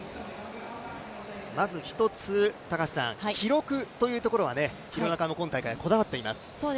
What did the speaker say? まず一つ、記録というところは廣中も今大会、こだわっています。